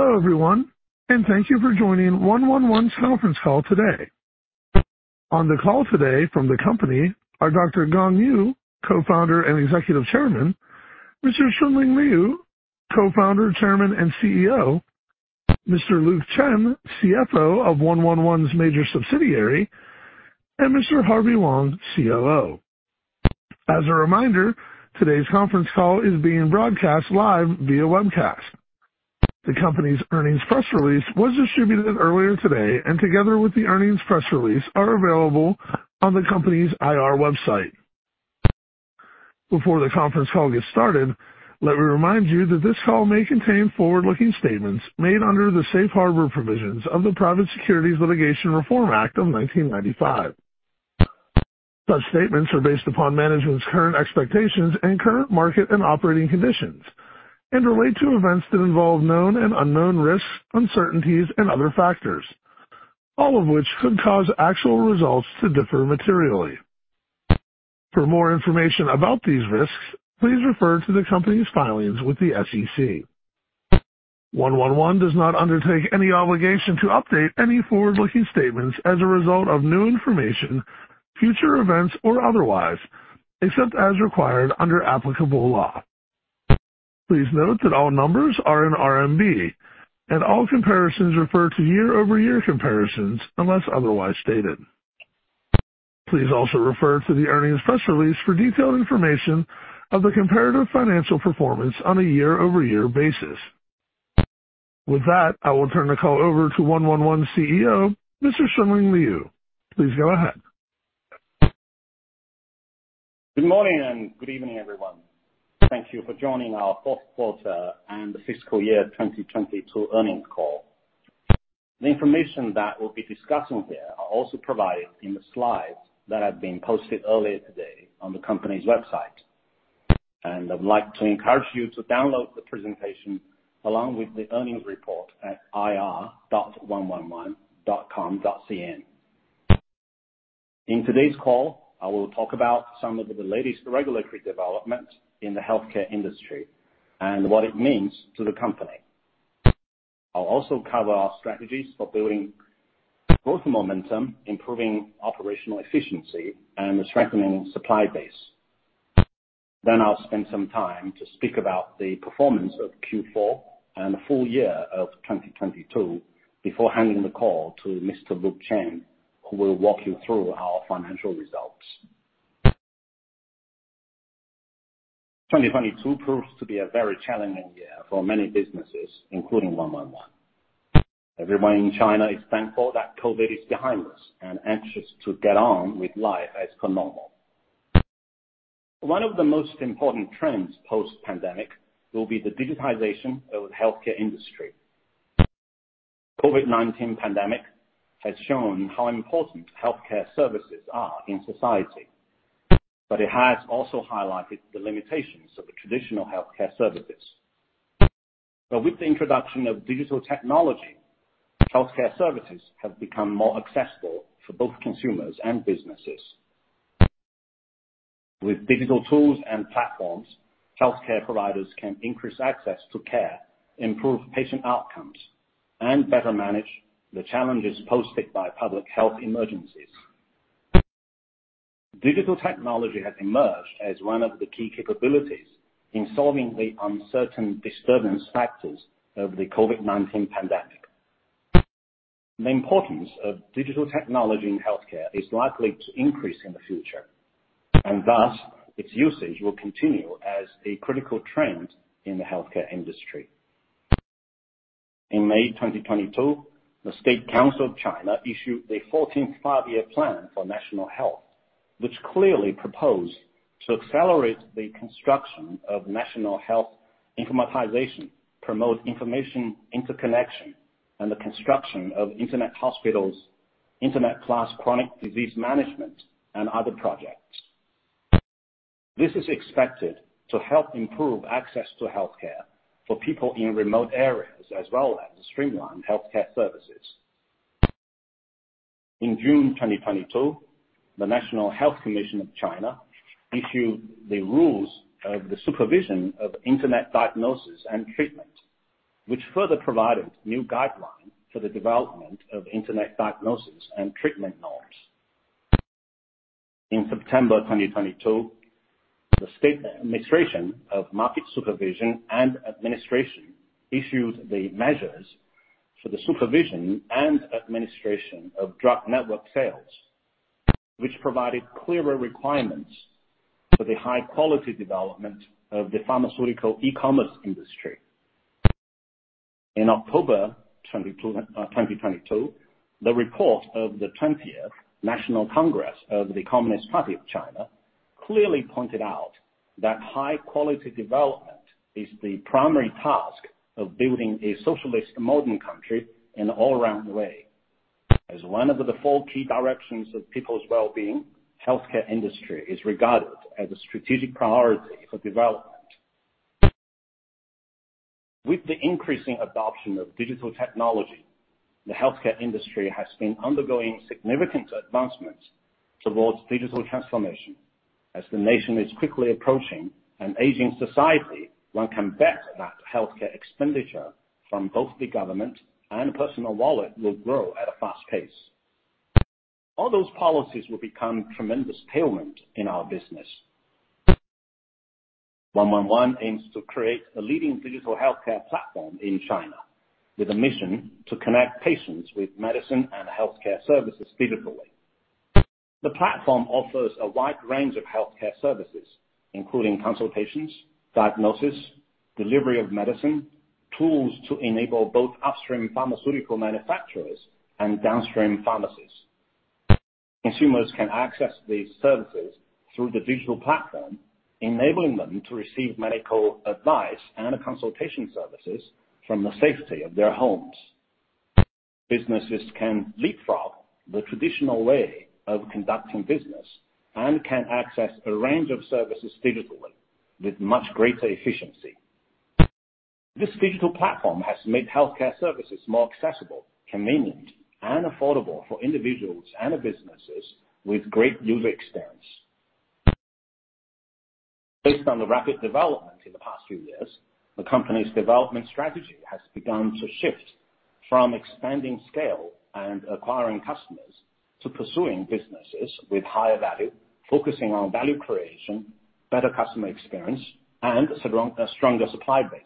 Hello, everyone, and thank you for joining 111's conference call today. On the call today from the company are Dr. Gang Yu, co-founder and executive chairman, Mr. Junling Liu, co-founder, chairman, and CEO, Mr. Luke Chen, CFO of 's major subsidiary, and Mr. Harvey Wang, COO. As a reminder, today's conference call is being broadcast live via webcast. The company's earnings press release was distributed earlier today, and together with the earnings press release, are available on the company's IR website. Before the conference call gets started, let me remind you that this call may contain forward-looking statements made under the Safe Harbor provisions of the Private Securities Litigation Reform Act of 1995. Such statements are based upon management's current expectations and current market and operating conditions and relate to events that involve known and unknown risks, uncertainties, and other factors, all of which could cause actual results to differ materially. For more information about these risks, please refer to the company's filings with the SEC. 111 does not undertake any obligation to update any forward-looking statements as a result of new information, future events, or otherwise, except as required under applicable law. Please note that all numbers are in RMB and all comparisons refer to year-over-year comparisons unless otherwise stated. Please also refer to the earnings press release for detailed information of the comparative financial performance on a year-over-year basis. With that, I will turn the call over to 111 CEO, Mr. Junling Liu. Please go ahead. Good morning and good evening, everyone. Thank you for joining our fourth quarter and the fiscal year 2022 earnings call. The information that we'll be discussing here are also provided in the slides that have been posted earlier today on the company's website. I'd like to encourage you to download the presentation along with the earnings report at ir.111.com.cn. In today's call, I will talk about some of the latest regulatory developments in the healthcare industry and what it means to the company. I'll also cover our strategies for building growth momentum, improving operational efficiency, and strengthening supply base. I'll spend some time to speak about the performance of Q4 and the full year of 2022 before handing the call to Mr. Luke Chen, who will walk you through our financial results. 2022 proved to be a very challenging year for many businesses, including 111. Everyone in China is thankful that COVID is behind us and anxious to get on with life as per normal. One of the most important trends post-pandemic will be the digitization of the healthcare industry. COVID-19 pandemic has shown how important healthcare services are in society, but it has also highlighted the limitations of the traditional healthcare services. With the introduction of digital technology, healthcare services have become more accessible for both consumers and businesses. With digital tools and platforms, healthcare providers can increase access to care, improve patient outcomes, and better manage the challenges posted by public health emergencies. Digital technology has emerged as one of the key capabilities in solving the uncertain disturbance factors of the COVID-19 pandemic. The importance of digital technology in healthcare is likely to increase in the future, and thus its usage will continue as a critical trend in the healthcare industry. In May 2022, the State Council of China issued the 14th Five-Year Plan for national health, which clearly proposed to accelerate the construction of national health informatization, promote information interconnection, and the construction of Internet hospitals, Internet-class chronic disease management, and other projects. This is expected to help improve access to healthcare for people in remote areas as well as streamline healthcare services. In June 2022, the National Health Commission of China issued the rules of the supervision of Internet Diagnosis and Treatment, which further provided new guidelines for the development of Internet Diagnosis and Treatment norms. In September 2022, the State Administration for Market Regulation issued the Measures for the Supervision and Administration of Drug Network Sales, which provided clearer requirements for the high-quality development of the pharmaceutical e-commerce industry. In October 2022. 2022, the report of the 20th National Congress of the Communist Party of China clearly pointed out that high-quality development is the primary task of building a socialist modern country in all around way. As one of the four key directions of people's well-being, healthcare industry is regarded as a strategic priority for development. With the increasing adoption of digital technology, the healthcare industry has been undergoing significant advancements towards digital transformation. As the nation is quickly approaching an aging society, one can bet that healthcare expenditure from both the government and personal wallet will grow at a fast pace. All those policies will become tremendous payment in our business. 111 aims to create a leading digital healthcare platform in China, with a mission to connect patients with medicine and healthcare services digitally. The platform offers a wide range of healthcare services, including consultations, diagnosis, delivery of medicine, tools to enable both upstream pharmaceutical manufacturers and downstream pharmacies. Consumers can access these services through the digital platform, enabling them to receive medical advice and consultation services from the safety of their homes. Businesses can leapfrog the traditional way of conducting business and can access a range of services digitally with much greater efficiency. This digital platform has made healthcare services more accessible, convenient, and affordable for individuals and businesses with great user experience. Based on the rapid development in the past few years, the company's development strategy has begun to shift from expanding scale and acquiring customers to pursuing businesses with higher value, focusing on value creation, better customer experience, and a stronger supply base.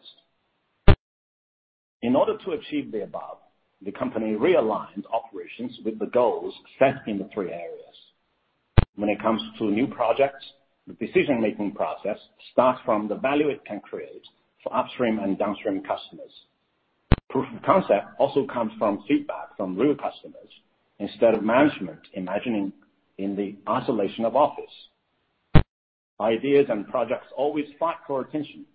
In order to achieve the above, the company realigns operations with the goals set in the three areas. When it comes to new projects, the decision-making process starts from the value it can create for upstream and downstream customers. Proof of concept also comes from feedback from real customers instead of management imagining in the isolation of office. Ideas and projects always fight for attention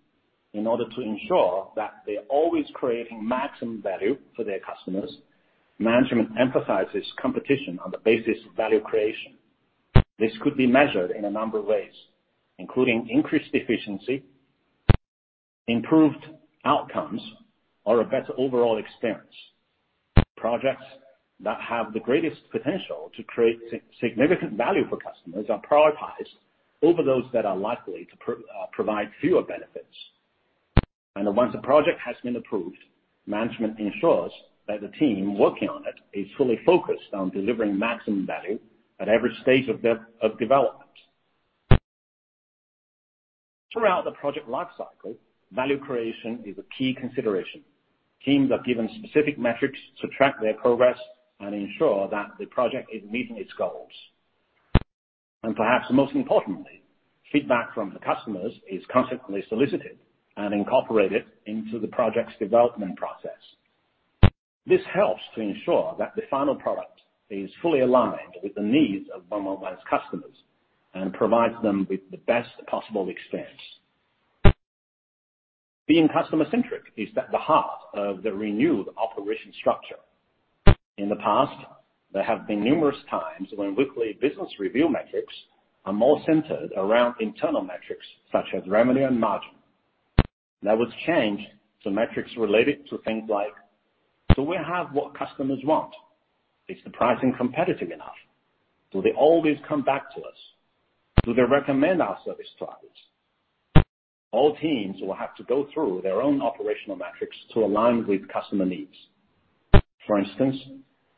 in order to ensure that they're always creating maximum value for their customers. Management emphasizes competition on the basis of value creation. This could be measured in a number of ways, including increased efficiency, improved outcomes, or a better overall experience. Projects that have the greatest potential to create significant value for customers are prioritized over those that are likely to provide fewer benefits. Once a project has been approved, management ensures that the team working on it is fully focused on delivering maximum value at every stage of development. Throughout the project lifecycle, value creation is a key consideration. Teams are given specific metrics to track their progress and ensure that the project is meeting its goals. Perhaps most importantly, feedback from the customers is constantly solicited and incorporated into the project's development process. This helps to ensure that the final product is fully aligned with the needs of 111's customers and provides them with the best possible experience. Being customer-centric is at the heart of the renewed operation structure. In the past, there have been numerous times when weekly business review metrics are more centered around internal metrics such as revenue and margin. That was changed to metrics related to things like, do we have what customers want? Is the pricing competitive enough? Do they always come back to us? Do they recommend our service to others? All teams will have to go through their own operational metrics to align with customer needs. For instance,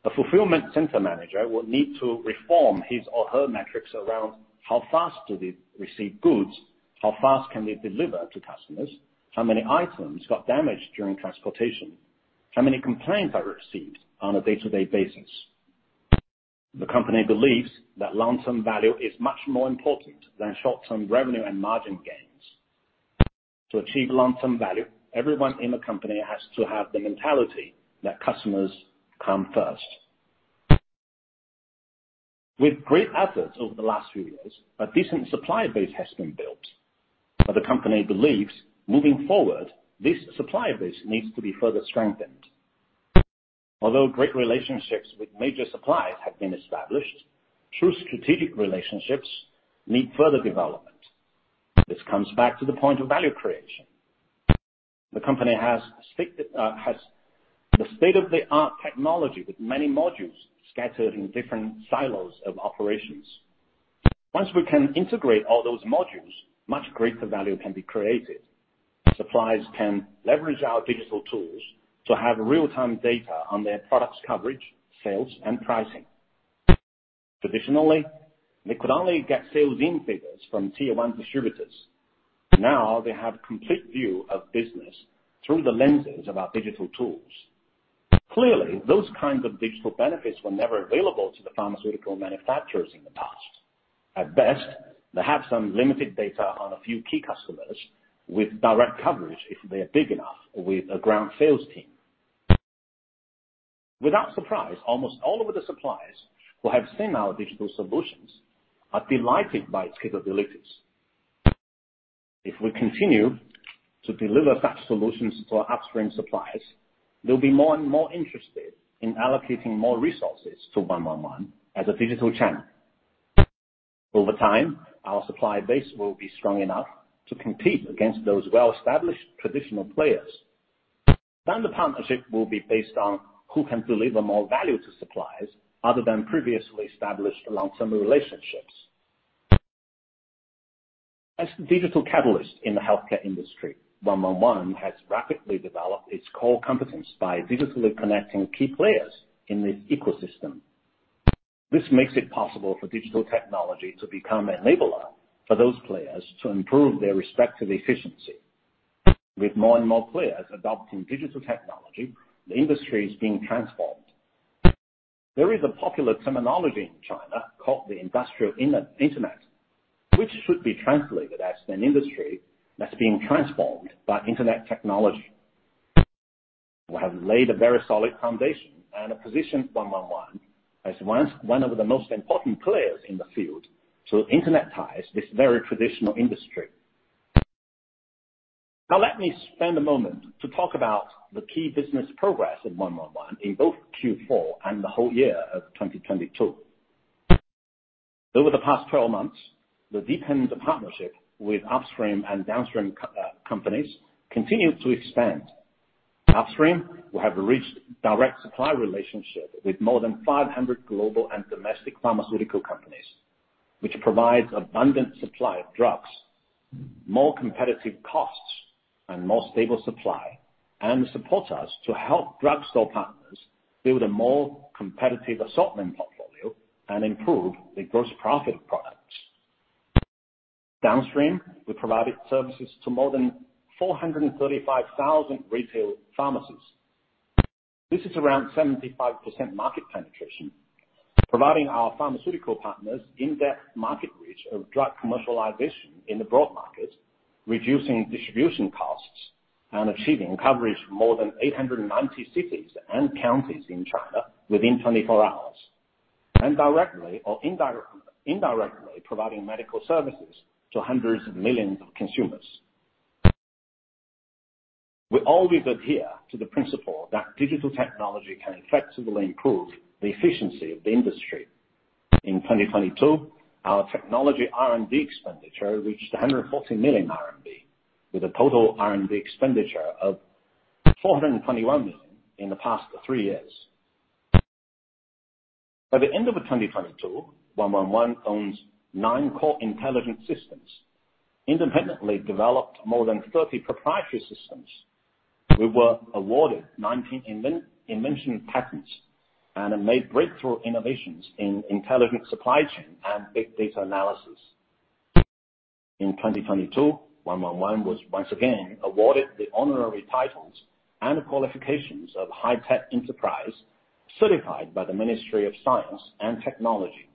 a fulfillment center manager will need to reform his or her metrics around how fast do they receive goods, how fast can they deliver to customers, how many items got damaged during transportation, how many complaints are received on a day-to-day basis. The company believes that long-term value is much more important than short-term revenue and margin gains. To achieve long-term value, everyone in the company has to have the mentality that customers come first. With great efforts over the last few years, a decent supplier base has been built, but the company believes, moving forward, this supplier base needs to be further strengthened. Although great relationships with major suppliers have been established, true strategic relationships need further development. This comes back to the point of value creation. The company has the state-of-the-art technology with many modules scattered in different silos of operations. Once we can integrate all those modules, much greater value can be created. Suppliers can leverage our digital tools to have real-time data on their products' coverage, sales, and pricing. Traditionally, they could only get sales in figures from tier one distributors. Now they have complete view of business through the lenses of our digital tools. Clearly, those kinds of digital benefits were never available to the pharmaceutical manufacturers in the past. At best, they have some limited data on a few key customers with direct coverage if they are big enough with a ground sales team. Without surprise, almost all of the suppliers who have seen our digital solutions are delighted by its capabilities. If we continue to deliver such solutions to our upstream suppliers, they'll be more and more interested in allocating more resources to one-one-one as a digital channel. Over time, our supply base will be strong enough to compete against those well-established traditional players. The partnership will be based on who can deliver more value to suppliers other than previously established long-term relationships. As the digital catalyst in the healthcare industry, 111 has rapidly developed its core competence by digitally connecting key players in this ecosystem. This makes it possible for digital technology to become enabler for those players to improve their respective efficiency. With more and more players adopting digital technology, the industry is being transformed. There is a popular terminology in China called the Industrial Internet, which should be translated as an industry that's being transformed by internet technology. We have laid a very solid foundation and a position 111 as one of the most important players in the field to internetize this very traditional industry. Now let me spend a moment to talk about the key business progress of 111 in both Q4 and the whole year of 2022. Over the past 12 months, the deepened partnership with upstream and downstream companies continued to expand. Upstream, we have reached direct supply relationship with more than 500 global and domestic pharmaceutical companies, which provides abundant supply of drugs, more competitive costs, and more stable supply, and support us to help drugstore partners build a more competitive assortment portfolio and improve the gross profit of products. Downstream, we provided services to more than 435,000 retail pharmacies. This is around 75% market penetration, providing our pharmaceutical partners in-depth market reach of drug commercialization in the broad market, reducing distribution costs and achieving coverage more than 890 cities and counties in China within 24 hours. Directly or indirectly providing medical services to hundreds of millions of consumers. We always adhere to the principle that digital technology can effectively improve the efficiency of the industry. In 2022, our technology R&D expenditure reached 140 million RMB with a total R&D expenditure of 421 million in the past three years. By the end of 2022, 111 owns 9 core intelligence systems, independently developed more than 30 proprietary systems. We were awarded 19 invention patents and have made breakthrough innovations in intelligent supply chain and big data analysis. In 2022, 111 was once again awarded the honorary titles and the qualifications of High-tech Enterprise certified by the Ministry of Science and Technology,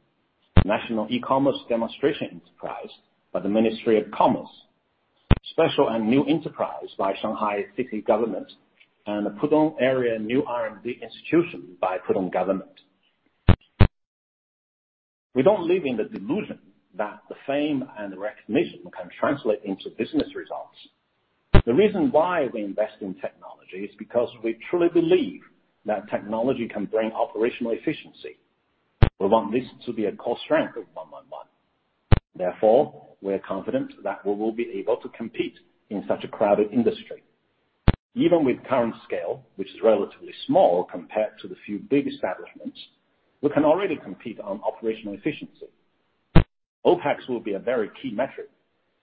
National E-commerce Demonstration Enterprise by the Ministry of Commerce, Special and New Enterprise by Shanghai City Government and the Pudong Area New R&D Institution by Pudong government. We don't live in the delusion that the fame and the recognition can translate into business results. The reason why we invest in technology is because we truly believe that technology can bring operational efficiency. We want this to be a core strength of 111. Therefore, we are confident that we will be able to compete in such a crowded industry. Even with current scale, which is relatively small compared to the few big establishments, we can already compete on operational efficiency. OpEx will be a very key metric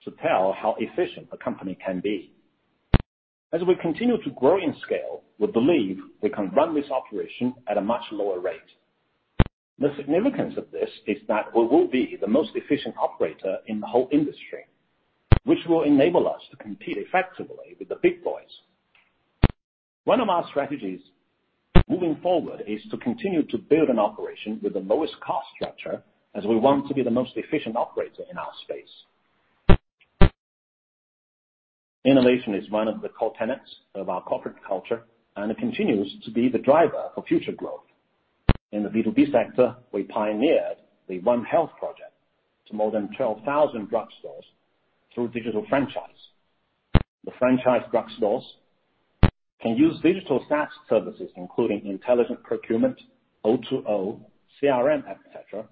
to tell how efficient a company can be. We continue to grow in scale, we believe we can run this operation at a much lower rate. The significance of this is that we will be the most efficient operator in the whole industry, which will enable us to compete effectively with the big boys. One of our strategies moving forward is to continue to build an operation with the lowest cost structure as we want to be the most efficient operator in our space. Innovation is one of the core tenets of our corporate culture, and it continues to be the driver for future growth. In the B2B sector, we pioneered the One Health project to more than 12,000 drugstores through digital franchise. The franchise drugstores can use digital SaaS services, including intelligent procurement, O2O, CRM, et cetera,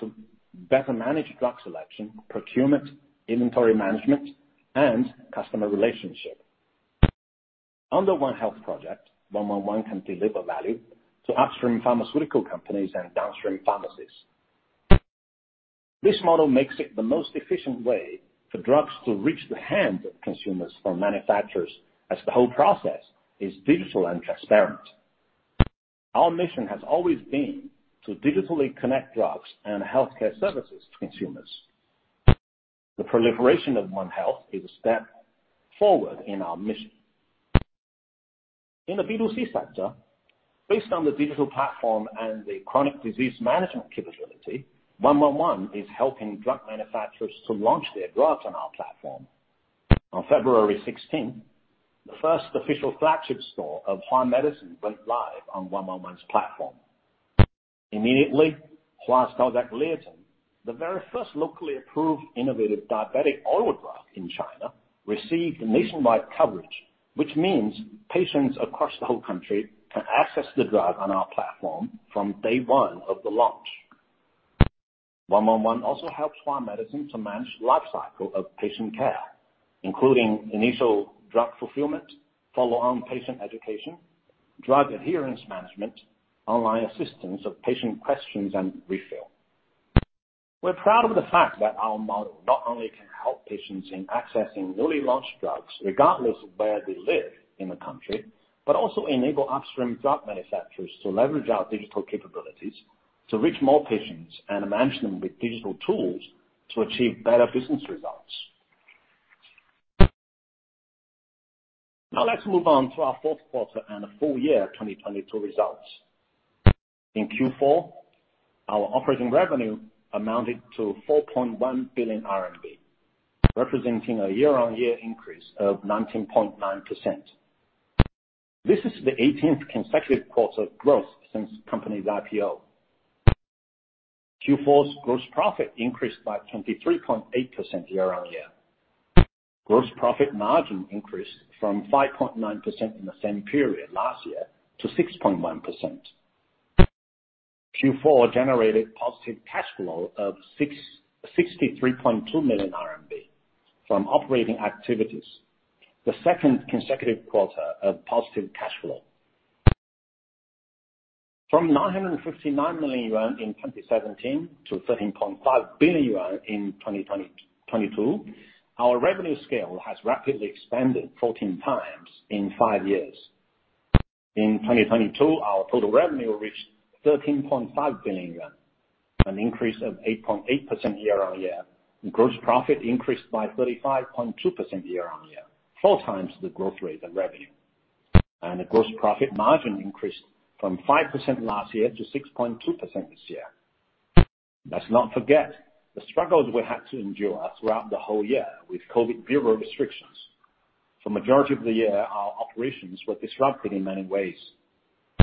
to better manage drug selection, procurement, inventory management, and customer relationship. Under One Health project, 111 can deliver value to upstream pharmaceutical companies and downstream pharmacies. This model makes it the most efficient way for drugs to reach the hands of consumers or manufacturers as the whole process is digital and transparent. Our mission has always been to digitally connect drugs and healthcare services to consumers. The proliferation of One Health is a step forward in our mission. In the B2C sector, based on the digital platform and the chronic disease management capability, 111 is helping drug manufacturers to launch their drugs on our platform. On February 16th, the first official flagship store of Hua medicine went live on 111's platform. Immediately, Hua's Glitazone, the very first locally approved innovative diabetic oral drug in China, received nationwide coverage. Which means patients across the whole country can access the drug on our platform from day one of the launch. 111 also helps pharma medicine to manage lifecycle of patient care, including initial drug fulfillment, follow-on patient education, drug adherence management, online assistance of patient questions and refill. We're proud of the fact that our model not only can help patients in accessing newly launched drugs regardless of where they live in the country, but also enable upstream drug manufacturers to leverage our digital capabilities to reach more patients and manage them with digital tools to achieve better business results. Now let's move on to our fourth quarter and full year 2022 results. In Q4, our operating revenue amounted to 4.1 billion RMB, representing a year-on-year increase of 19.9%. This is the 18th consecutive quarter of growth since company's IPO. Q4's gross profit increased by 23.8% year-on-year. Gross profit margin increased from 5.9% in the same period last year to 6.1%. Q4 generated positive cash flow of 63.2 million RMB from operating activities, the second consecutive quarter of positive cash flow. From 959 million yuan in 2017 to 13.5 billion yuan in 2022, our revenue scale has rapidly expanded 14 times in five years. In 2022, our total revenue reached 13.5 billion yuan, an increase of 8.8% year-on-year. Gross profit increased by 35.2% year-over-year, four times the growth rate of revenue. The gross profit margin increased from 5% last year to 6.2% this year. Let's not forget the struggles we had to endure throughout the whole year with COVID zero restrictions. For majority of the year, our operations were disrupted in many ways.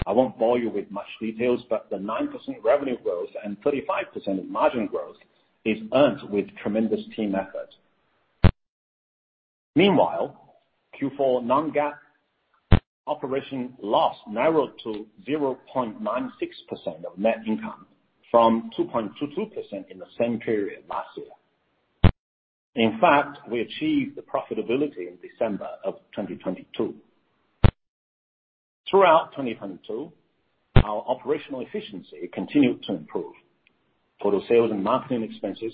I won't bore you with much details, but the 9% revenue growth and 35% margin growth is earned with tremendous team effort. Meanwhile, Q4 non-GAAP operation loss narrowed to 0.96% of net income from 2.22% in the same period last year. In fact, we achieved the profitability in December of 2022. Throughout 2022, our operational efficiency continued to improve. Total sales and marketing expenses,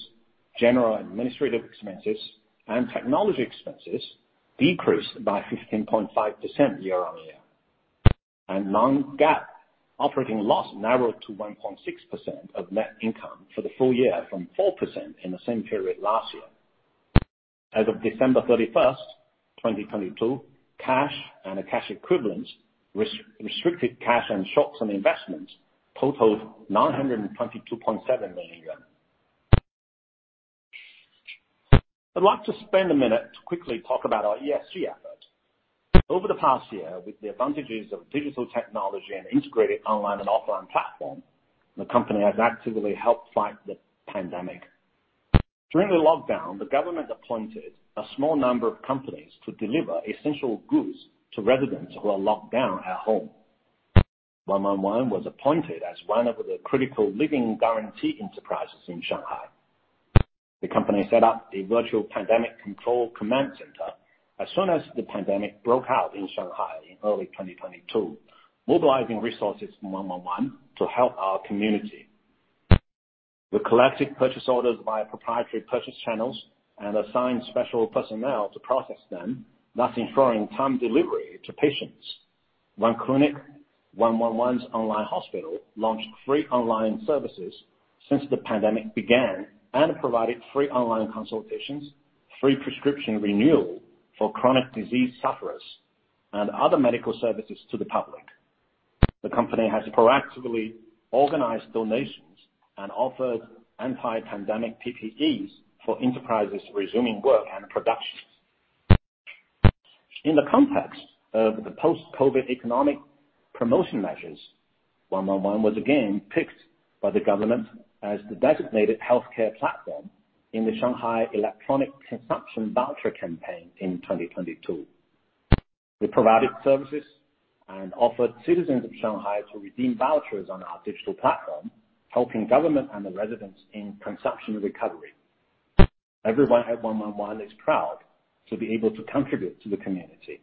general administrative expenses, and technology expenses decreased by 15.5% year-on-year. non-GAAP operating loss narrowed to 1.6% of net income for the full year from 4% in the same period last year. As of December 31, 2022, cash and cash equivalents, restricted cash and shorts on investments totaled RMB 922.7 million. I'd like to spend a minute to quickly talk about our ESG efforts. Over the past year, with the advantages of digital technology and integrated online and offline platform, the company has actively helped fight the pandemic. During the lockdown, the government appointed a small number of companies to deliver essential goods to residents who are locked down at home. 111 was appointed as one of the critical living guarantee enterprises in Shanghai. The company set up a virtual pandemic control command center as soon as the pandemic broke out in Shanghai in early 2022, mobilizing resources from 111 to help our community. We collected purchase orders via proprietary purchase channels and assigned special personnel to process them, thus ensuring on-time delivery to patients. one Clinic, 111's online hospital, launched free online services since the pandemic began and provided free online consultations, free prescription renewal for chronic disease sufferers, and other medical services to the public. The company has proactively organized donations and offered anti-pandemic PPEs for enterprises resuming work and production. In the context of the post-COVID economic promotion measures, 111 was again picked by the government as the designated healthcare platform in the Shanghai Electronic Consumption Voucher campaign in 2022. We provided services and offered citizens of Shanghai to redeem vouchers on our digital platform, helping government and the residents in consumption recovery. Everyone at 111 is proud to be able to contribute to the community.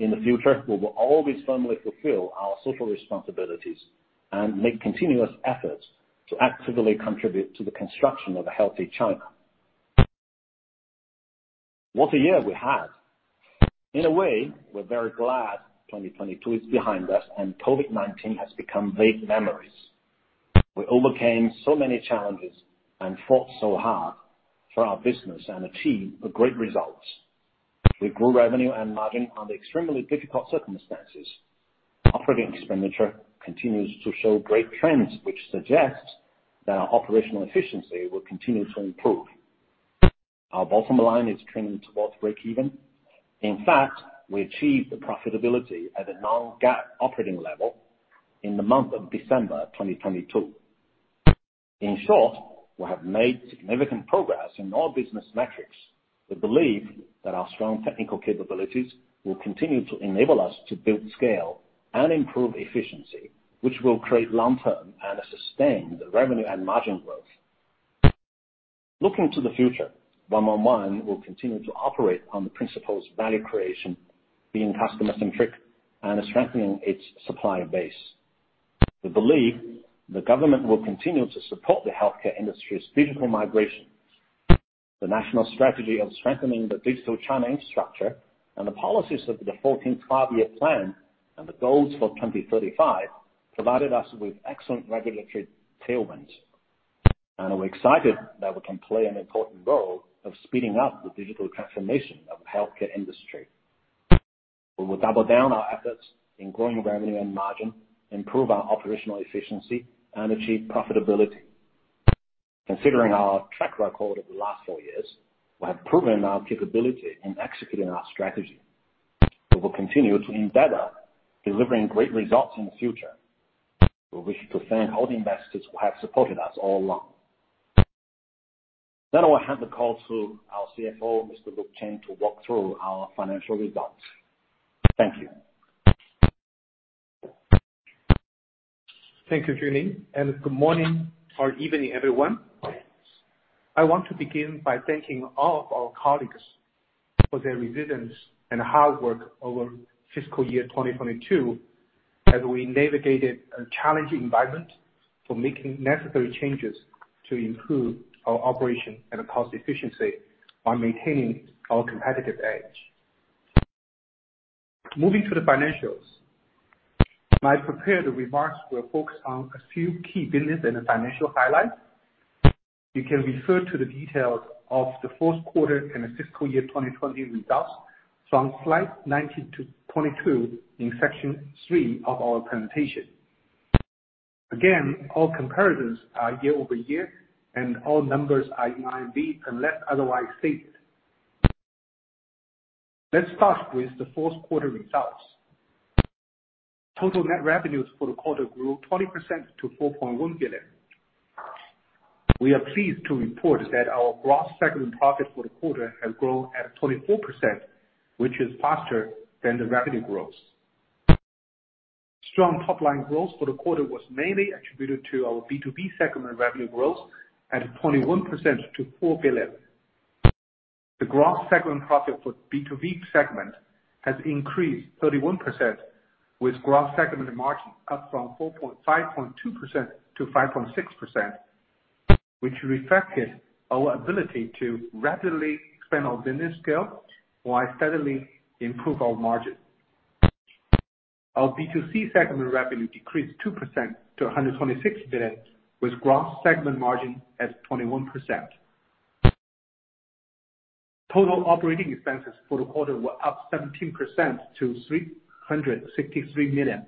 In the future, we will always firmly fulfill our social responsibilities and make continuous efforts to actively contribute to the construction of a healthy China. What a year we had. In a way, we're very glad 2022 is behind us, and COVID-19 has become vague memories. We overcame so many challenges and fought so hard for our business and achieved great results. We grew revenue and margin under extremely difficult circumstances. Operating expenditure continues to show great trends, which suggests that our operational efficiency will continue to improve. Our bottom line is trending towards breakeven. In fact, we achieved the profitability at a non-GAAP operating level in the month of December 2022. In short, we have made significant progress in all business metrics. We believe that our strong technical capabilities will continue to enable us to build scale and improve efficiency, which will create long-term and a sustained revenue and margin growth. Looking to the future, 111 will continue to operate on the principles value creation, being customer-centric, and strengthening its supplier base. We believe the government will continue to support the healthcare industry's digital migration. The national strategy of strengthening the Digital China infrastructure and the policies of the 14th Five-Year Plan and the goals for 2035 provided us with excellent regulatory tailwinds, and we're excited that we can play an important role of speeding up the digital transformation of healthcare industry. We will double down our efforts in growing revenue and margin, improve our operational efficiency, and achieve profitability. Considering our track record over the last four years, we have proven our capability in executing our strategy. We will continue to embed our delivering great results in the future. We wish to thank all the investors who have supported us all along. I'll hand the call to our CFO, Mr. Luke Chen, to walk through our financial results. Thank you. Thank you, Junling. Good morning or evening, everyone. I want to begin by thanking all of our colleagues for their resilience and hard work over fiscal year 2022 as we navigated a challenging environment for making necessary changes to improve our operation and cost efficiency while maintaining our competitive edge. Moving to the financials. My prepared remarks will focus on a few key business and financial highlights. You can refer to the details of the fourth quarter and the fiscal year 2020 results from slide 19-22 in Section 3 of our presentation. All comparisons are year-over-year, and all numbers are in RMB, unless otherwise stated. Let's start with the fourth quarter results. Total net revenues for the quarter grew 20% to 4.1 billion. We are pleased to report that our gross segment profit for the quarter has grown at 24%, which is faster than the revenue growth. Strong top-line growth for the quarter was mainly attributed to our B2B segment revenue growth at 21% to 4 billion. The gross segment profit for B2B segment has increased 31%, with gross segment margin up from 5.2% to 5.6%, which reflected our ability to rapidly expand our business scale while steadily improve our margin. Our B2C segment revenue decreased 2% to 126 billion, with gross segment margin at 21%. Total operating expenses for the quarter were up 17% to 363 million.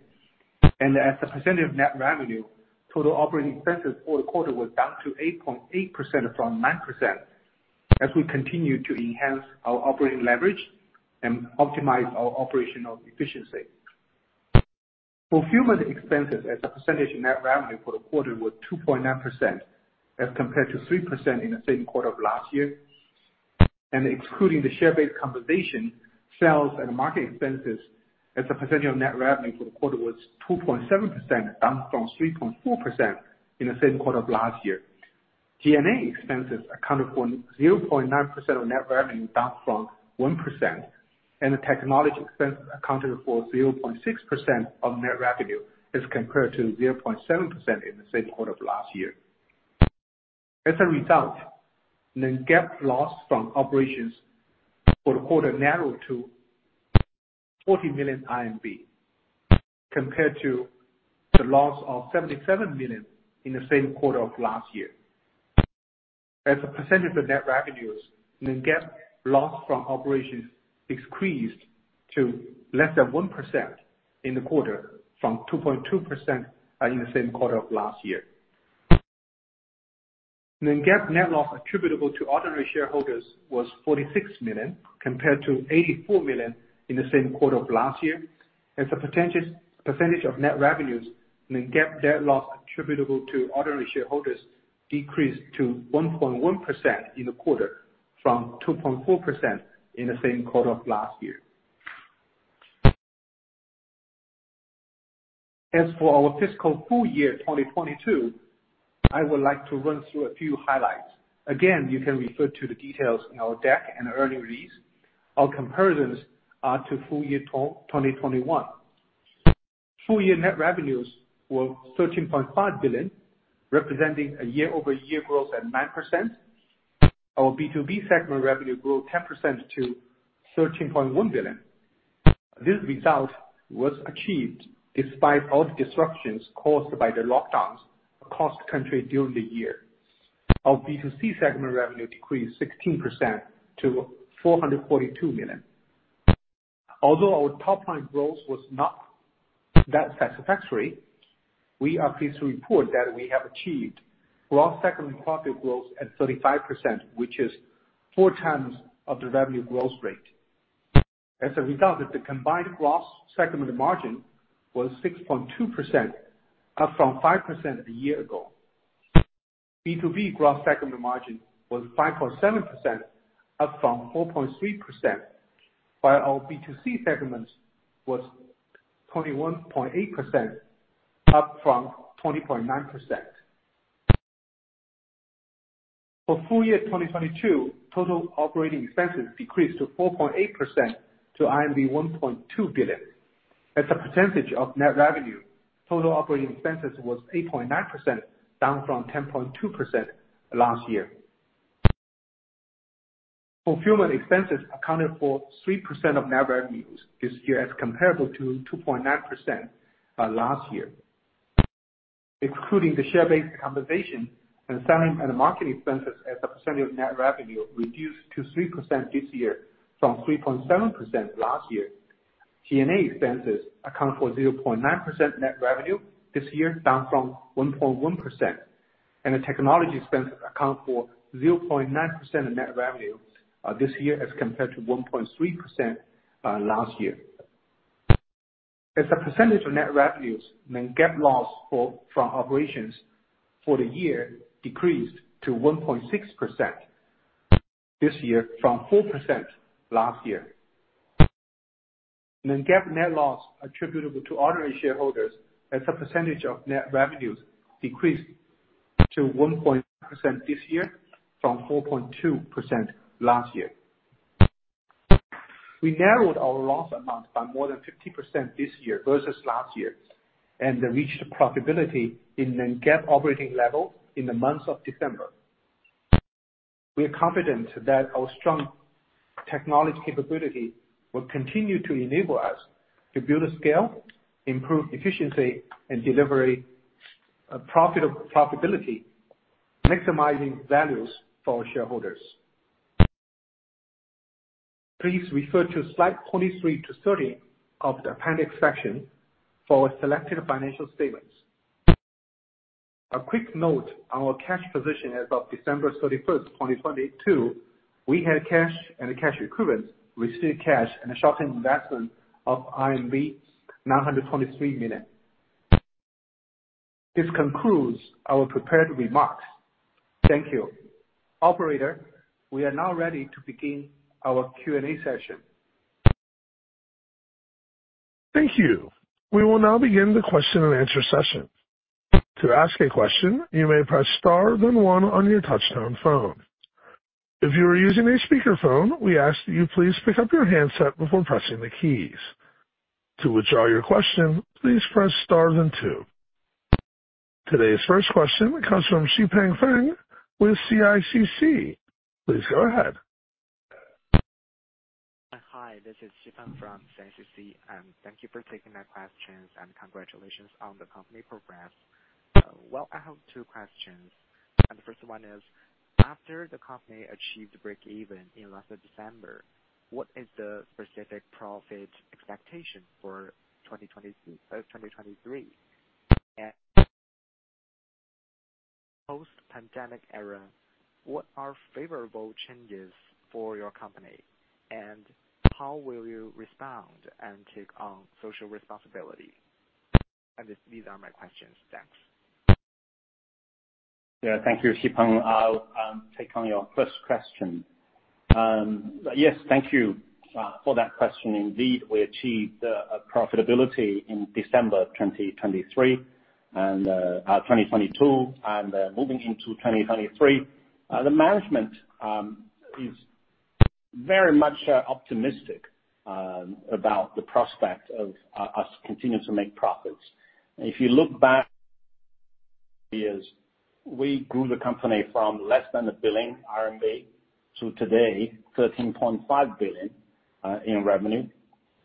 As a percentage of net revenue, total operating expenses for the quarter was down to 8.8% from 9% as we continue to enhance our operating leverage and optimize our operational efficiency. Fulfillment expenses as a percentage of net revenue for the quarter were 2.9%, as compared to 3% in the same quarter of last year. Excluding the share-based compensation, sales and marketing expenses as a percentage of net revenue for the quarter was 2.7%, down from 3.4% in the same quarter of last year. G&A expenses accounted for 0.9% of net revenue, down from 1%. The technology expenses accounted for 0.6% of net revenue as compared to 0.7% in the same quarter of last year. As a result, the net GAAP loss from operations for the quarter narrowed to 40 million compared to the loss of 77 million in the same quarter of last year. As a percentage of net revenues, the net GAAP loss from operations decreased to less than 1% in the quarter, from 2.2% in the same quarter of last year. The net GAAP net loss attributable to ordinary shareholders was 46 million, compared to 84 million in the same quarter of last year. As a percentage of net revenues, the net GAAP net loss attributable to ordinary shareholders decreased to 1.1% in the quarter from 2.4% in the same quarter of last year. As for our fiscal full year 2022, I would like to run through a few highlights. Again, you can refer to the details in our deck and earnings release. Our comparisons are to full year 2021. Full year net revenues were 13.5 billion, representing a year-over-year growth at 9%. Our B2B segment revenue grew 10% to 13.1 billion. This result was achieved despite all the disruptions caused by the lockdowns across the country during the year. Our B2C segment revenue decreased 16% to 442 million. Our top-line growth was not that satisfactory, we are pleased to report that we have achieved gross segment profit growth at 35%, which is four times of the revenue growth rate. As a result of the combined gross segment margin was 6.2%, up from 5% a year ago. B2B gross segment margin was 5.7%, up from 4.3%, while our B2C segments was 21.8%, up from 20.9%. For full year 2022, total operating expenses decreased to 4.8% to 1.2 billion. As a percentage of net revenue, total operating expenses was 8.9%, down from 10.2% last year. Fulfillment expenses accounted for 3% of net revenues this year, as comparable to 2.9% last year. Excluding the share-based compensation and selling and marketing expenses as a percentage of net revenue reduced to 3% this year from 3.7% last year. G&A expenses account for 0.9% net revenue this year, down from 1.1%. The technology expenses account for 0.9% of net revenue this year as compared to 1.3% last year. As a percentage of net revenues, Non-GAAP loss from operations for the year decreased to 1.6% this year from 4% last year. Non-GAAP net loss attributable to ordinary shareholders as a percentage of net revenues decreased to 1.5% this year from 4.2% last year. We narrowed our loss amount by more than 50% this year versus last year, and reached profitability in Non-GAAP operating level in the month of December. We are confident that our strong technology capability will continue to enable us to build scale, improve efficiency, and deliver a profit of profitability, maximizing values for our shareholders. Please refer to slide 23 to 30 of the appendix section for selected financial statements. A quick note on our cash position. As of December 31st, 2022, we had cash and cash equivalents, received cash and a short-term investment of RMB 923 million. This concludes our prepared remarks. Thank you. Operator, we are now ready to begin our Q&A session. Thank you. We will now begin the question and answer session. To ask a question, you may press star then one on your touchtone phone. If you are using a speakerphone, we ask that you please pick up your handset before pressing the keys. To withdraw your question, please press star then two. Today's first question comes from Xipeng Feng with CICC. Please go ahead. Hi, this is Xipeng from CICC, thank you for taking my questions and congratulations on the company progress. Well, I have two questions, the first one is: After the company achieved breakeven in last December, what is the specific profit expectation for 2023? Post-pandemic era, what are favorable changes for your company, and how will you respond and take on social responsibility? These are my questions. Thanks. Thank you, Xipeng. I'll take on your first question. Yes, thank you for that question. Indeed, we achieved profitability in December 2023 and 2022. Moving into 2023, the management is very much optimistic about the prospect of us continuing to make profits. If you look back years, we grew the company from less than 1 billion RMB to today, 13.5 billion in revenue.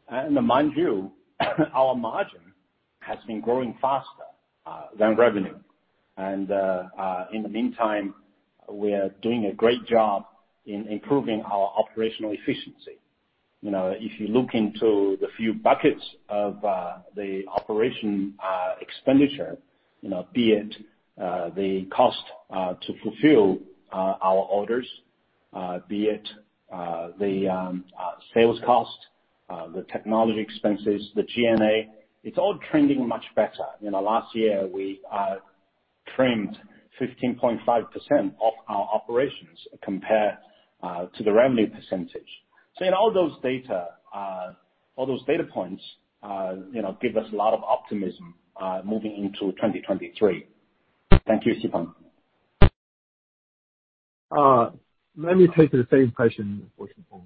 Mind you, our margin has been growing faster than revenue. In the meantime, we are doing a great job in improving our operational efficiency. If you look into the few buckets of the OpEx, you know, be it the cost to fulfill our orders, be it the sales cost, the technology expenses, the G&A, it's all trending much better. Last year we trimmed 15.5% of our operations compared to the revenue percentage. In all those data, all those data points, you know, give us a lot of optimism moving into 2023. Thank you, Shipeng. Let me take the same question for Xipeng.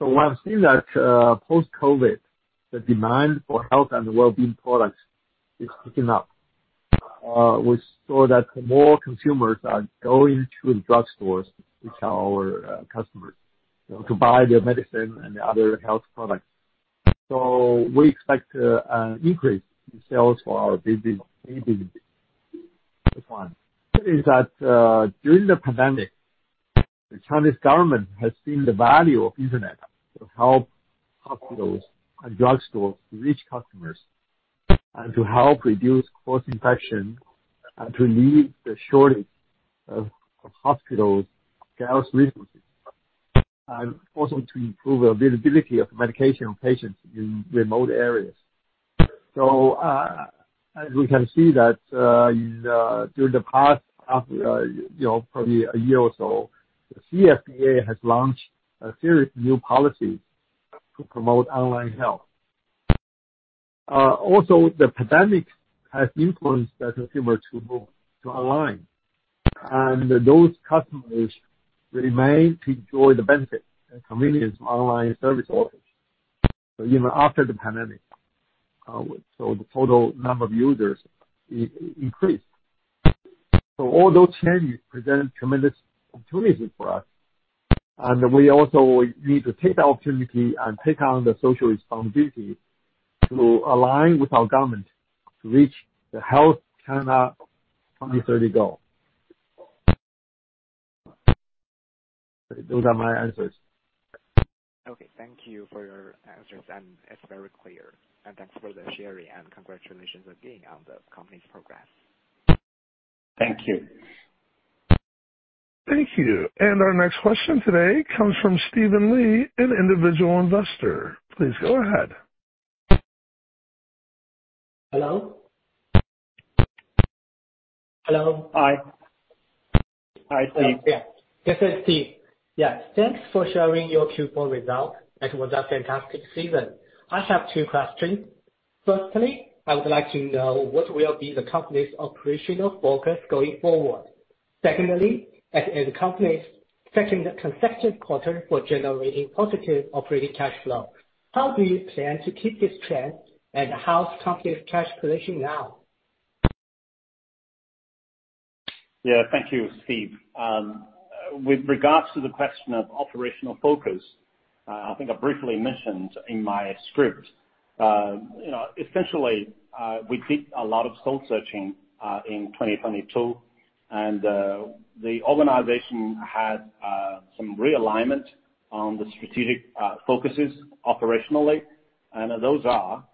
I've seen that post-COVID, the demand for health and well-being products is picking up. We saw that more consumers are going to drugstores, which are our customers, to buy their medicine and other health products. We expect an increase in sales for our business. That's one. The other is that during the pandemic, the Chinese government has seen the value of internet to help hospitals and drugstores to reach customers and to help reduce cross-infection and to relieve the shortage Of hospitals, scarce resources, and also to improve availability of medication on patients in remote areas. As we can see that, during the past, you know, probably a year or so, the CFDA has launched a series of new policies to promote online health. Also the pandemic has influenced the consumer to move to online, and those customers remain to enjoy the benefit and convenience of online service offers even after the pandemic. The total number of users increased. All those changes present tremendous opportunities for us, and we also need to take the opportunity and take on the social responsibility to align with our government to reach the Healthy China 2030 goal. Those are my answers. Okay. Thank you for your answers, it's very clear. Thanks for the sharing, congratulations again on the company's progress. Thank you. Thank you. Our next question today comes from Steven Lee, an individual investor. Please go ahead. Hello? Hello. Hi. Hi, Steve. This is Steve. Thanks for sharing your Q4 results. It was a fantastic season. I have two questions. Firstly, I would like to know what will be the company's operational focus going forward. Secondly, as the company's second consecutive quarter for generating positive operating cash flow, how do you plan to keep this trend? How's company's cash position now? Yeah. Thank you, Steve. With regards to the question of operational focus, I think I briefly mentioned in my script, you know, essentially, we did a lot of soul-searching in 2022. The organization had some realignment on the strategic focuses operationally. Those are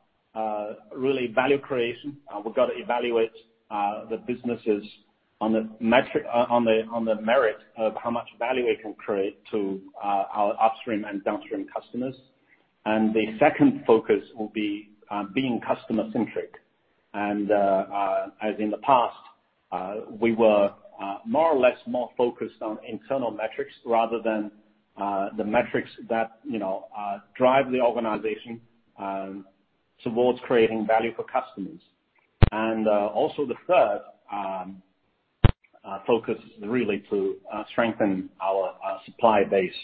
really value creation. We've got to evaluate the businesses on the merit of how much value it can create to our upstream and downstream customers. The second focus will be being customer-centric. As in the past, we were more or less more focused on internal metrics rather than the metrics that, you know, drive the organization towards creating value for customers. Also the third focus is really to strengthen our supply base.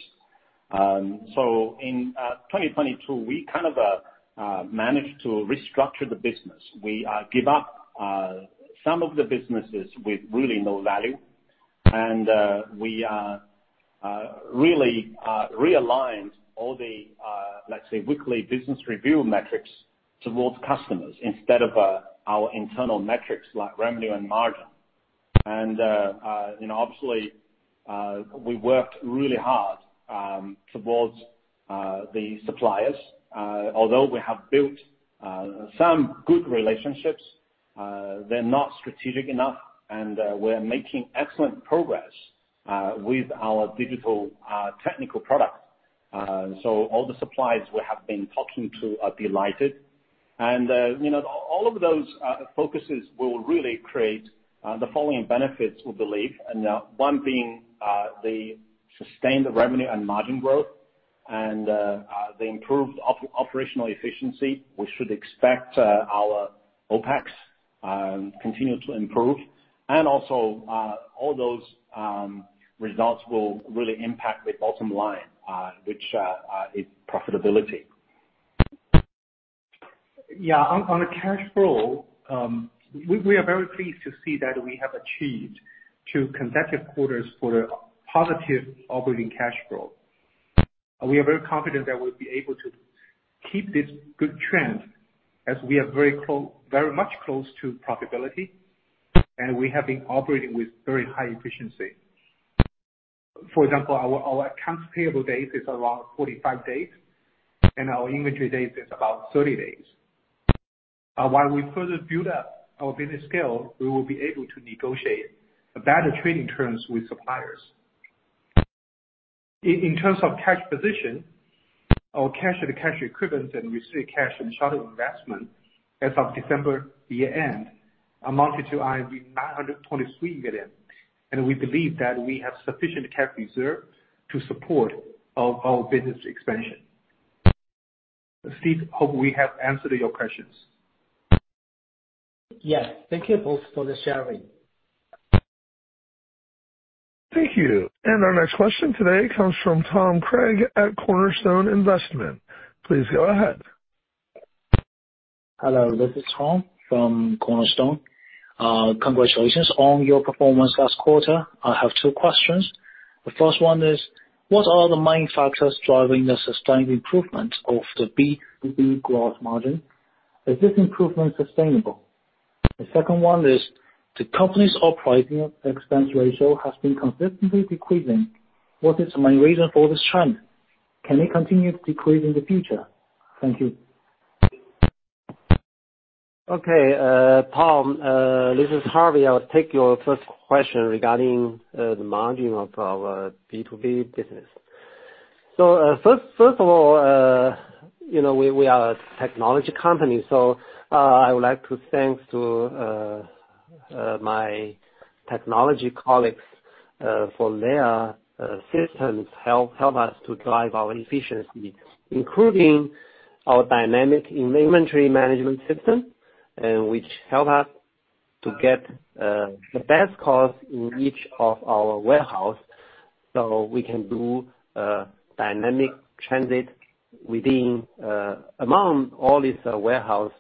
In 2022, we kind of managed to restructure the business. We give up some of the businesses with really no value. We really realigned all the, let's say, weekly business review metrics towards customers instead of our internal metrics like revenue and margin. You know, obviously, we worked really hard towards the suppliers. Although we have built some good relationships, they're not strategic enough, and we're making excellent progress with our digital technical products. All the suppliers we have been talking to are delighted. You know, all of those focuses will really create the following benefits, we believe. One being the sustained revenue and margin growth and the improved operational efficiency. We should expect our OpEx continue to improve. All those results will really impact the bottom line, which is profitability. Yeah. On the cash flow, we are very pleased to see that we have achieved two consecutive quarters for positive operating cash flow. We are very confident that we'll be able to keep this good trend as we are very much close to profitability, and we have been operating with very high efficiency. For example, our accounts payable days is around 45 days, and our inventory days is about 30 days. While we further build up our business scale, we will be able to negotiate better trading terms with suppliers. In terms of cash position or cash and cash equivalents and receive cash and short-term investment, as of December year-end, amounted to 923 billion. We believe that we have sufficient cash reserve to support our business expansion. Steve, hope we have answered your questions. Yes. Thank you both for the sharing. Thank you. Our next question today comes from Tom Craig at Cornerstone Investment. Please go ahead. Hello, this is Tom from Cornerstone. Congratulations on your performance last quarter. I have two questions. The first one is, what are the main factors driving the sustained improvement of the B2B growth margin? Is this improvement sustainable? The second one is, the company's operating expense ratio has been consistently decreasing. What is the main reason for this trend? Can it continue to decrease in the future? Thank you. Okay, Tom, this is Harvey. I'll take your first question regarding the margin of our B2B business. First of all, you know, we are a technology company, I would like to thanks to my technology colleagues for their systems help us to drive our efficiency, including our dynamic inventory management system, which help us to get the best cost in each of our warehouse so we can do dynamic transit among all these warehouse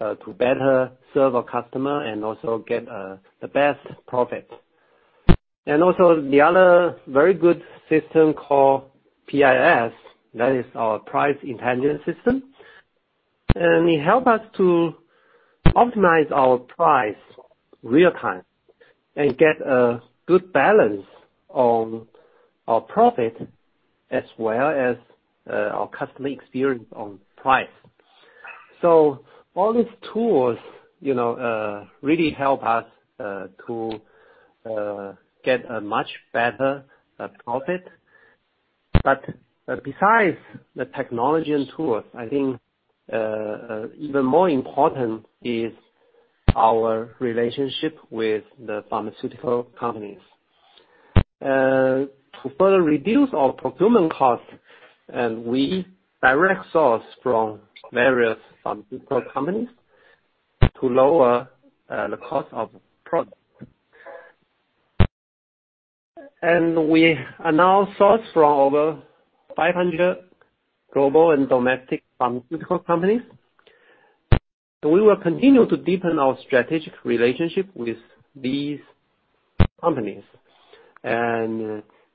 to better serve our customer and also get the best profit. The other very good system called PIS, that is our price intelligence system. It help us to optimize our price real-time and get a good balance on our profit, as well as our customer experience on price. All these tools, you know, really help us to get a much better profit. Besides the technology and tools, I think even more important is our relationship with the pharmaceutical companies. To further reduce our procurement costs, we direct source from various pharmaceutical companies to lower the cost of product. We are now sourced from over 500 global and domestic pharmaceutical companies. We will continue to deepen our strategic relationship with these companies.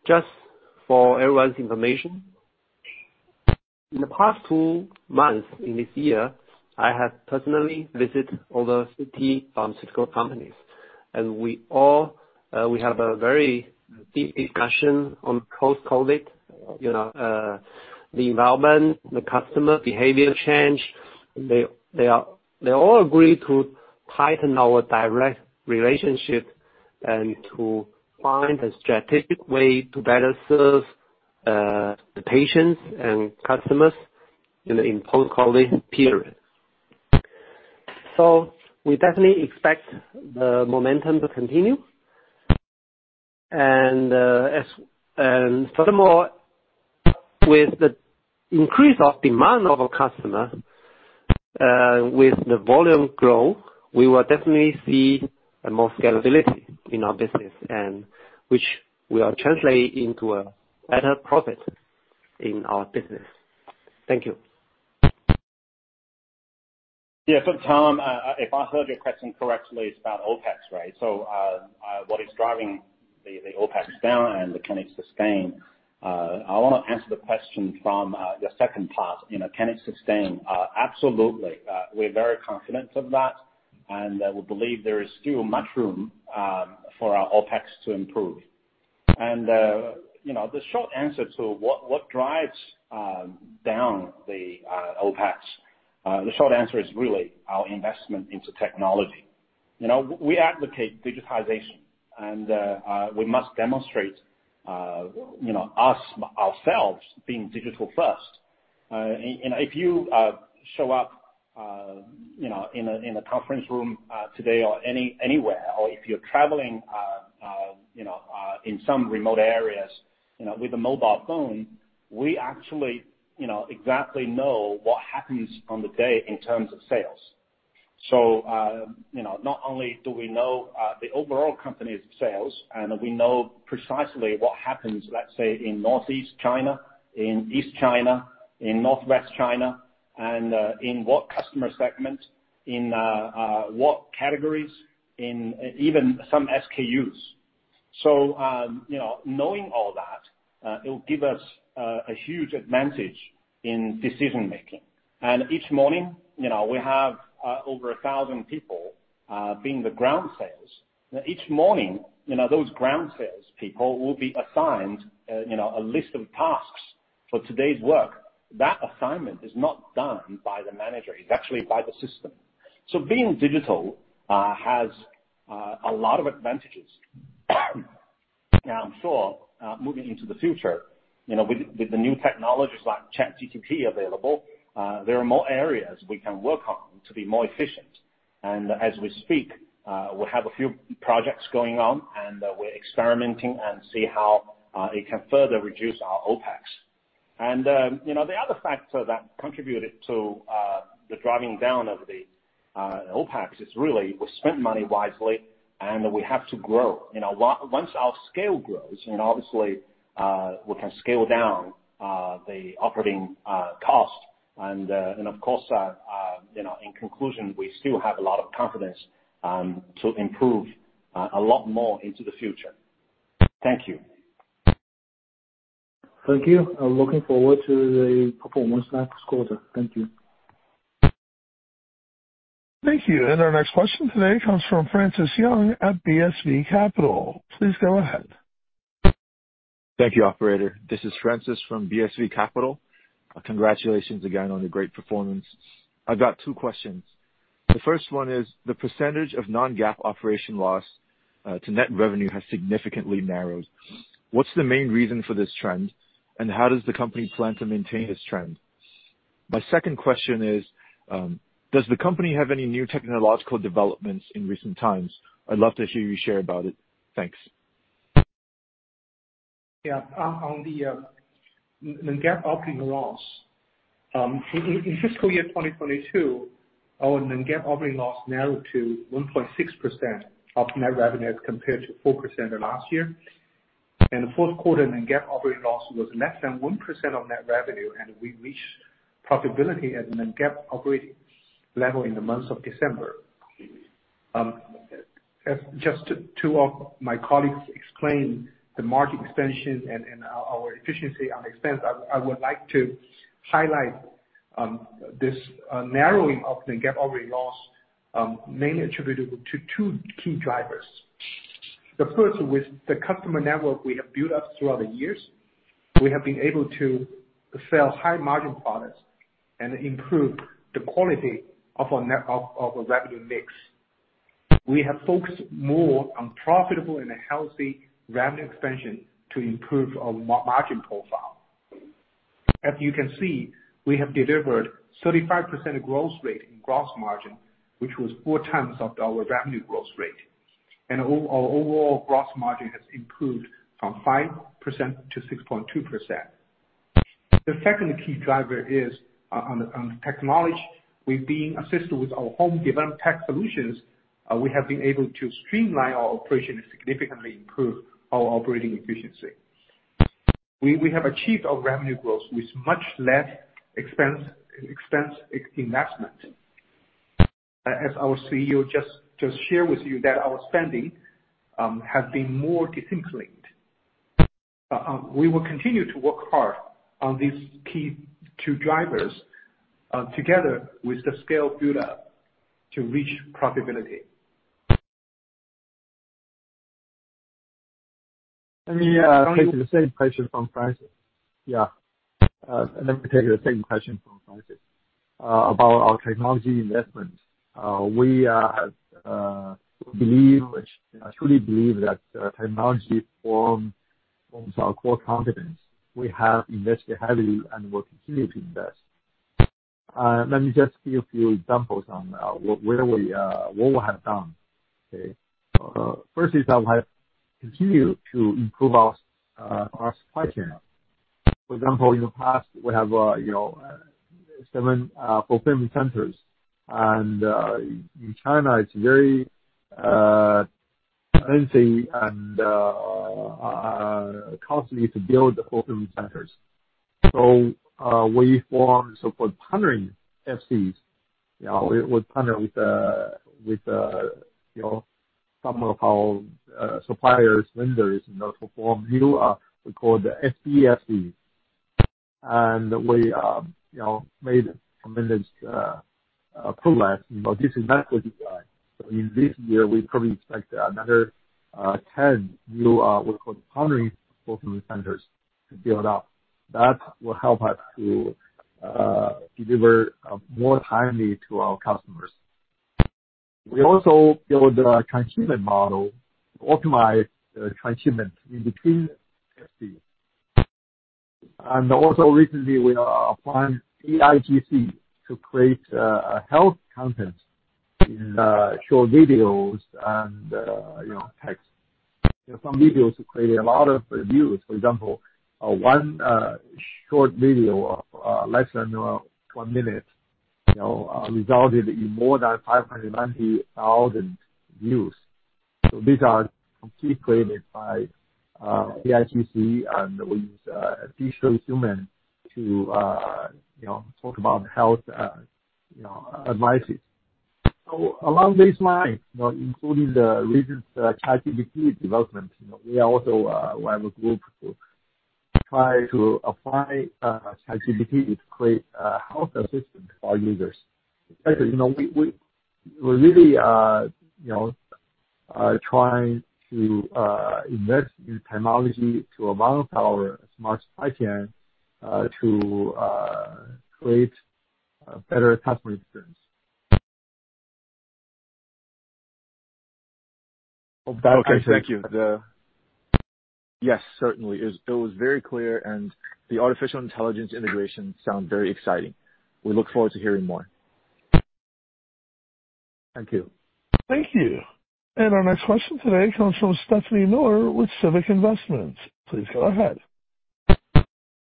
Just for everyone's information, in the past two months in this year, I have personally visit over 50 pharmaceutical companies. We all have a very deep discussion on post-COVID, you know, the environment, the customer behavior change. They all agree to tighten our direct relationship and to find a strategic way to better serve the patients and customers in a post-COVID period. We definitely expect the momentum to continue. Furthermore, with the increase of demand of our customer, with the volume growth, we will definitely see a more scalability in our business and which we are translating into a better profit in our business. Thank you. Tom, if I heard your question correctly, it's about OpEx, right? What is driving the OpEx down and can it sustain? I wanna answer the question from the second part. You know, can it sustain? Absolutely. We're very confident of that, and we believe there is still much room for our OpEx to improve. You know, the short answer to what drives down the OpEx, the short answer is really our investment into technology. You know, we advocate digitization and we must demonstrate, you know, ourselves being digital first. If you know, in a conference room today or anywhere or if you're traveling, you know, in some remote areas, you know, with a mobile phone, we actually, you know, exactly know what happens on the day in terms of sales. Not only do we know, you know, the overall company's sales and we know precisely what happens, let's say in Northeast China, in East China, in Northwest China, and in what customer segment, in what categories, in even some SKUs. Knowing all that, you know, it will give us a huge advantage in decision making. Each morning, you know, we have over 1,000 people being the ground sales. Each morning, those ground sales people will be assigned a list of tasks for today's work. That assignment is not done by the manager. It's actually by the system. Being digital has a lot of advantages. Now, I'm sure, moving into the future, with the new technologies like ChatGPT available, there are more areas we can work on to be more efficient. As we speak, we have a few projects going on and we're experimenting and see how it can further reduce our OpEx. The other factor that contributed to the driving down of the OpEx is really we spent money wisely, and we have to grow. Once our scale grows, obviously, we can scale down the operating cost. Of course, you know, in conclusion, we still have a lot of confidence to improve a lot more into the future. Thank you. Thank you. I'm looking forward to the performance next quarter. Thank you. Thank you. Our next question today comes from Francis Young at BSV Capital. Please go ahead. Thank you operator. This is Francis from BSV Capital. Congratulations again on the great performance. I've got two questions. The first one is the percentage of non-GAAP operation loss to net revenue has significantly narrowed. What's the main reason for this trend, and how does the company plan to maintain this trend? My second question is, does the company have any new technological developments in recent times? I'd love to hear you share about it. Thanks. Yeah. On, on the non-GAAP operating loss in fiscal year 2022, our non-GAAP operating loss narrowed to 1.6% of net revenue as compared to 4% in last year. The fourth quarter non-GAAP operating loss was less than 1% of net revenue, and we reached profitability at non-GAAP operating level in the month of December. As just two of my colleagues explained the market expansion and our efficiency on expense, I would like to highlight this narrowing of non-GAAP operating loss mainly attributable to two key drivers. The first, with the customer network we have built up throughout the years, we have been able to sell high margin products and improve the quality of our revenue mix. We have focused more on profitable and healthy revenue expansion to improve our margin profile. As you can see, we have delivered 35% growth rate in gross margin, which was four times of our revenue growth rate. Overall gross margin has improved from 5% to 6.2%. The second key driver is on technology. We've been assisted with our home development tech solutions. We have been able to streamline our operations to significantly improve our operating efficiency. We have achieved our revenue growth with much less expense investment. As our CEO just shared with you that our spending has been more disciplined. We will continue to work hard on these key two drivers together with the scale build-up to reach profitability. Let me take the same question from Francis. Let me take the same question from Francis. About our technology investment. We truly believe that technology forms our core competence. We have invested heavily and will continue to invest. Let me just give you a few examples on where we what we have done. First is that we have continued to improve our supply chain. For example, in the past we have, you know, seven fulfillment centers. In China it's very expensive and costly to build the fulfillment centers. We formed so-called partnering FCs. You know, we partner with, you know, some of our suppliers, vendors, you know, to form new, we call it the FC-FC. We made tremendous progress. This is not what we got. In this year we probably expect another 10 new, we call it partnering fulfillment centers to build up. That will help us to deliver more timely to our customers. We also build a transshipment model to optimize transshipment in between FC. Recently we are applying AIGC to create health content in short videos and text. Some videos created a lot of views. For example, one short video, less than one minute, resulted in more than 590,000 views. These are completely created by AIGC, and we use digital human to talk about health advices. Along these lines, you know, including the recent ChatGPT development, you know, we are also, we have a group to try to apply ChatGPT to create health assistance to our users. You know, we're really, you know, trying to invest in technology to advance our smart supply chain, to create a better customer experience. Okay, thank you. Yes, certainly. It was very clear and the artificial intelligence integration sound very exciting. We look forward to hearing more. Thank you. Thank you. Our next question today comes from Stephanie Nour with Civic Investments. Please go ahead.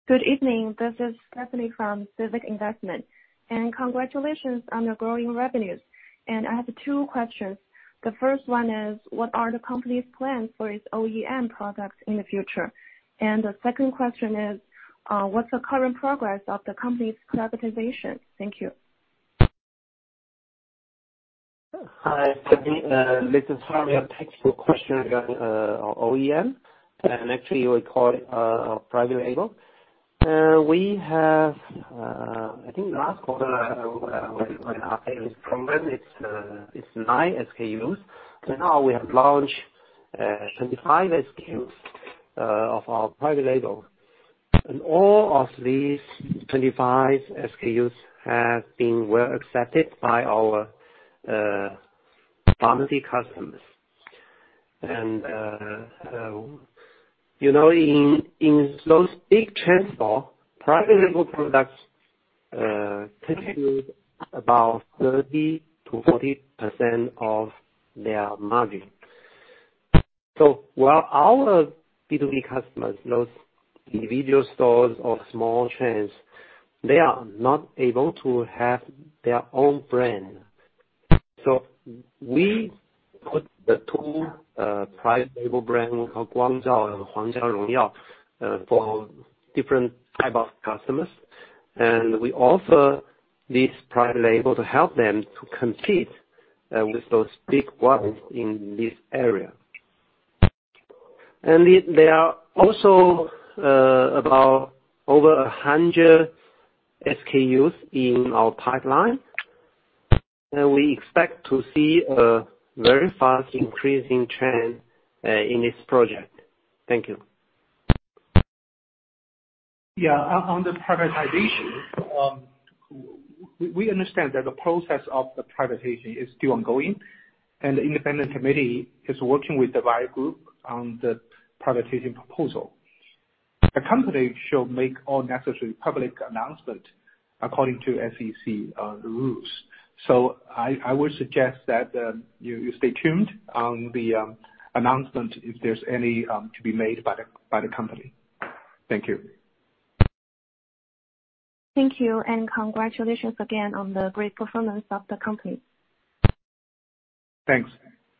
Good evening. This is Stephanie from Civic Investments. Congratulations on your growing revenues. I have two questions. The first one is: What are the company's plans for its OEM products in the future? The second question is, what's the current progress of the company's privatization? Thank you. Hi, Stephanie. This is Harvey. I'll take your question regarding our OEM, and actually we call it private label. We have, I think last quarter, when I it's 9 SKUs. Now we have launched 25 SKUs of our private label. All of these 25 SKUs have been well accepted by our pharmacy customers. You know, in those big transport, private label products take about 30%-40% of their margin. While our B2B customers, those individual stores or small chains, they are not able to have their own brand. We put the two private label brand, Guangzhao and Huangjia Rongyao, for different type of customers. We offer this private label to help them to compete with those big ones in this area. There are also about over 100 SKUs in our pipeline. We expect to see a very fast increasing trend, in this project. Thank you. Yeah. On the privatization, we understand that the process of the privatization is still ongoing, and the independent committee is working with the buyer group on the privatization proposal. The company shall make all necessary public announcement according to SEC rules. I would suggest that you stay tuned on the announcement if there's any to be made by the company. Thank you. Thank you. Congratulations again on the great performance of the company. Thanks.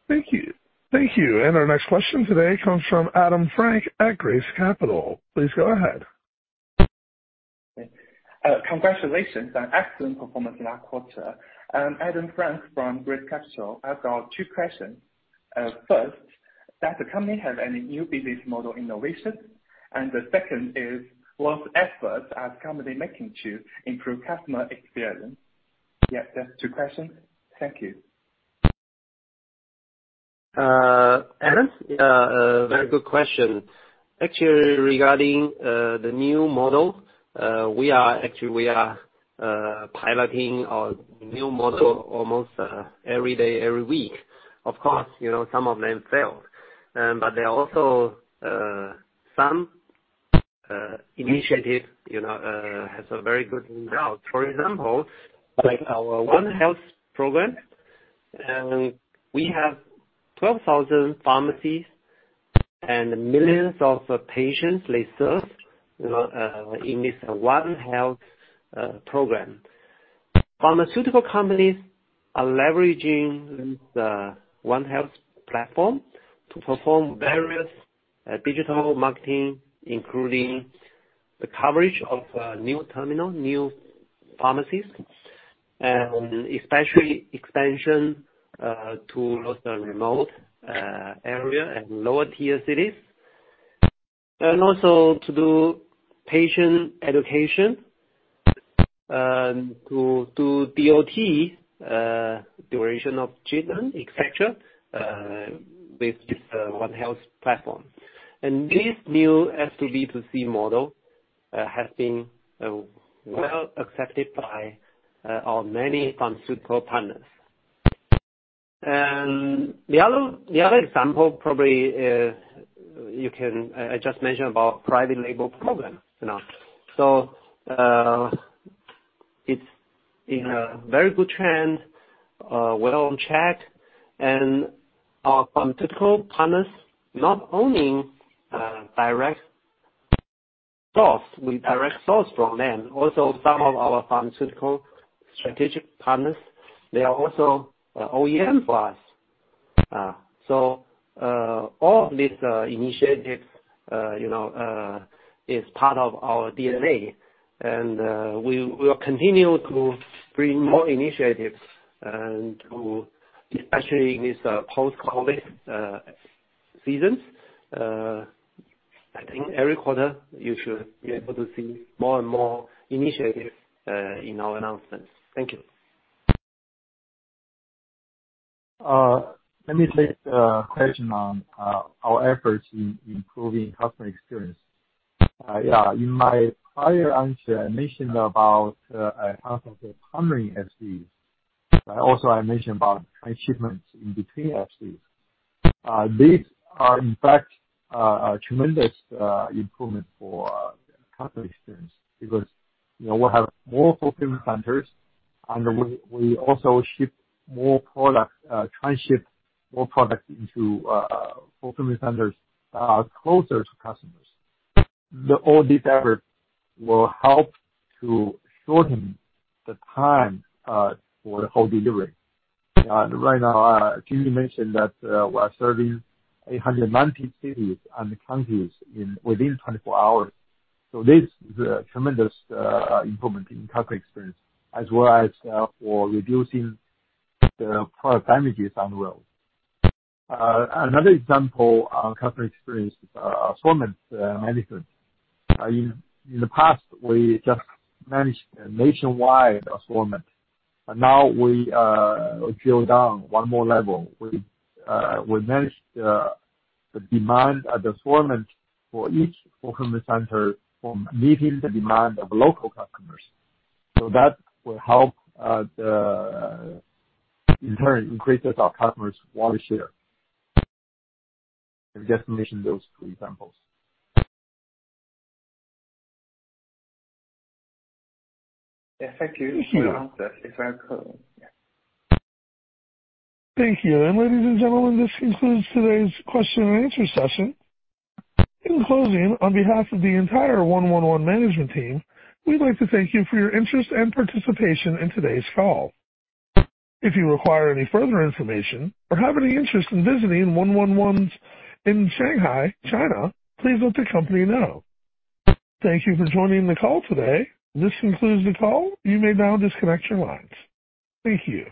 Thank you. Thank you. Our next question today comes from Adam Frank at Grace Capital. Please go ahead. Congratulations on excellent performance last quarter. I'm Adam Frank from Grace Capital. I've got two questions. First, does the company have any new business model innovations? The second is, what efforts are company making to improve customer experience? Yes, that's two questions. Thank you. Adam, very good question. Actually, regarding the new model, we are actually piloting our new model almost every day, every week. Of course, you know, some of them fail. There are also some initiative, you know, has a very good result. For example, like our One Health program, we have 12,000 pharmacies and millions of patients they serve, you know, in this One Health program. Pharmaceutical companies are leveraging this One Health platform to perform various digital marketing, including the coverage of new terminal, new pharmacies, and especially expansion to those remote area and lower tier cities. Also to do patient education, to DOT, duration of treatment, et cetera, with this One Health platform. This new B2C model has been well accepted by our many pharmaceutical partners. The other example probably, I just mentioned about private label program, you know. It's in a very good trend, well on track. Our pharmaceutical partners, not only, direct source, we direct source from them, also some of our pharmaceutical strategic partners, they are also, OEM for us. All of these, initiatives, you know, is part of our DNA. We will continue to bring more initiatives and to, especially in this, post-COVID, seasons. I think every quarter you should be able to see more and more initiatives, in our announcements. Thank you. Uh, let me take the question on, uh, our efforts in improving customer experience. Uh, yeah, in my prior answer, I mentioned about, uh, I talked about hundred FC. Also, I mentioned about my shipments in between FC. Uh, these are in fact, uh, a tremendous, uh, improvement for, uh, customer experience because, you know, we have more fulfillment centers and we, we also ship more products, uh, try and ship more products into, uh, uh, fulfillment centers, uh, closer to customers. All this effort will help to shorten the time, uh, for the whole delivery. Uh, right now, uh, Jimmy mentioned that, uh, we are serving eight hundred and ninety cities and counties in within twenty-four hours. So this is a tremendous, uh, improvement in customer experience as well as, uh, for reducing the product damages on the road. Another example on customer experience is assortment management. In the past we just managed nationwide assortment. Now we drill down one more level. We managed the demand of assortment for each fulfillment center from meeting the demand of local customers. That will help in turn increase our customers' wallet share. I just mentioned those two examples. Yeah, thank you for your answer. It's very clear. Yeah. Ladies and gentlemen, this concludes today's question and answer session. In closing, on behalf of the entire 111 management team, we'd like to thank you for your interest and participation in today's call. If you require any further information or have any interest in visiting 111's in Shanghai, China, please let the company know. Thank you for joining the call today. This concludes the call. You may now disconnect your lines. Thank you.